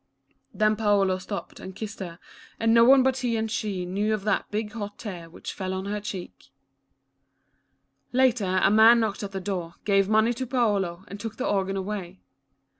Then Paolo stooped and kissed her, and no one Lucia, the Orran Maiden. S o but he and she knew of that big hot tear which fell on her cheek. Later, a man knocked at the door, gave money to Paolo, and took the organ away.